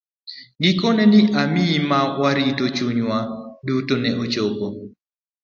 Gikone, okinyi ma ne warito gi chunywa duto ne ochopo.